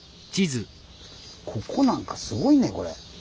ここなんかすごいねこれ。